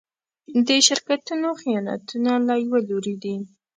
د شرکتونو خیانتونه له يوه لوري دي.